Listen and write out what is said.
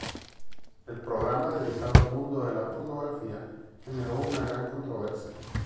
El programa dedicado al mundo de la pornografía generó una gran controversia.